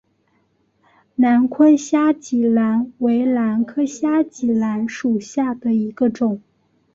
南昆虾脊兰为兰科虾脊兰属下的一个种。